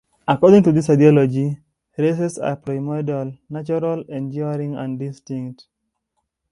According to this ideology, races are primordial, natural, enduring and distinct.